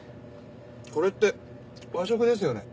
これって和食ですよね。